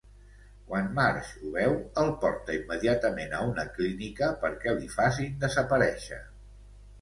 Quan Marge ho veu, el porta immediatament a una clínica, perquè l'hi facin desaparèixer.